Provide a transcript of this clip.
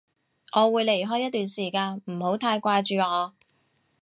我會離開一段時間，唔好太掛住我